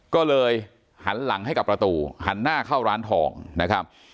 ก็เลยหันหลังให้กับประตูหันหน้าเข้าร้านทองนะครับ